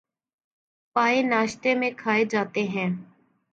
پائے ناشتے میں کھائے جاتے ہیں